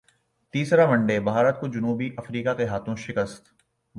تیسرا one day Bharat کو جنوبی افریقا کے ہاتھوں شکست